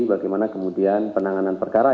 bagaimana kemudian penanganan perkara